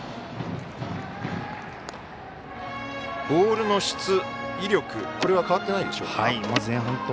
ボールの質、威力これは変わってないでしょうか。